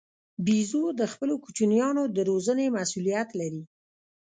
بیزو د خپلو کوچنیانو د روزنې مسوولیت لري.